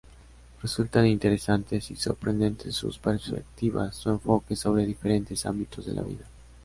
Resultan interesantes y sorprendentes sus perspectivas, su enfoque sobre diferentes ámbitos de la vida.